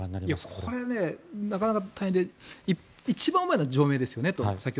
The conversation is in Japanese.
これ、なかなか大変で一番重いのは除名ですよねと。